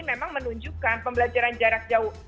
memang menunjukkan pembelajaran jarak jauh